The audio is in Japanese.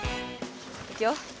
いくよ。